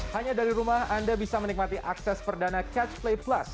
hanya dari rumah anda bisa menikmati akses perdana catch play plus